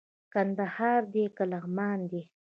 کندهار دئ که لغمان دئ